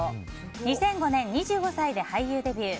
２００５年２５歳で俳優デビュー。